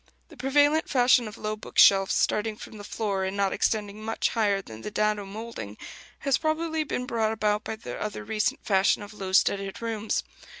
The prevalent fashion of low book shelves, starting from the floor, and not extending much higher than the dado moulding, has probably been brought about by the other recent fashion of low studded rooms.